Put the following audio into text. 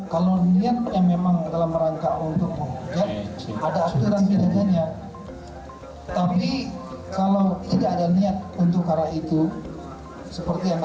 kalau niatnya memang dalam rangka untuk memujat ada akturan kejadiannya